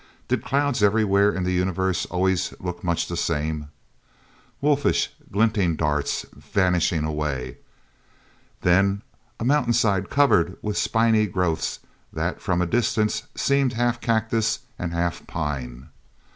Did clouds everywhere in the universe always look much the same? Wolfish, glinting darts, vanishing away. Then a mountainside covered with spiny growths that, from a distance, seemed half cactus and half pine.